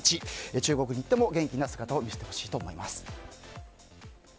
中国に行っても元気な姿を見せてほしいと思います。